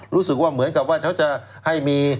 รู้สึกว่าเหมือนกับว่าเขาจะให้มี